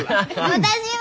私は？